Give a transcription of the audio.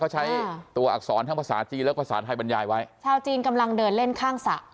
เขาใช้ตัวอักษรทั้งภาษาจีนและภาษาไทยบรรยายไว้ชาวจีนกำลังเดินเล่นข้างสระ